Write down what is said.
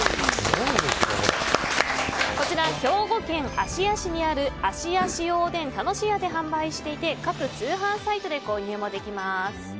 こちら、兵庫県芦屋市にある芦屋塩おでんたのしやで販売していて各通販サイトで購入もできます。